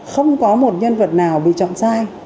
không có một nhân vật nào bị chọn sai